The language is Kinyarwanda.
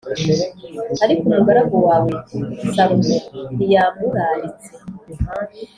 ariko umugaragu wawe Salomo ntiyamuraritse.